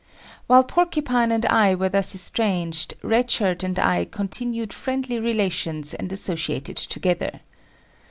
While Porcupine and I were thus estranged, Red Shirt and I continued friendly relations and associated together.